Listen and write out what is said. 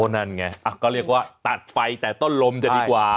นั่นไงก็เรียกว่าตัดไฟแต่ต้นลมจะดีกว่า